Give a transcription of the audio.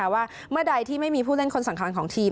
ว่าเมื่อใดที่ไม่มีผู้เล่นคนสำคัญของทีม